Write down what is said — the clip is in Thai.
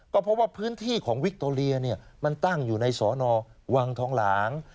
ก็เพราะว่าพื้นที่ของวิคโตเรียมันตั้งอยู่ในสอนอวังทองหลาง